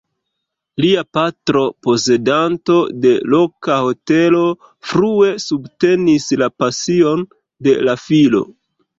Lia patro, posedanto de loka hotelo, frue subtenis la pasion de la filo.